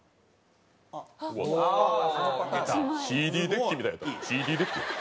ＣＤデッキみたいやった。